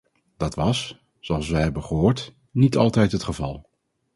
Dat was, zoals we hebben gehoord, niet altijd het geval.